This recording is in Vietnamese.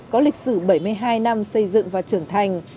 có lịch sử bảy mươi hai năm xây dựng và trưởng thành